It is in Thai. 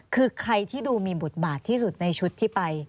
คือใครที่ดูมีบทบาทที่สุดในชุดที่ไป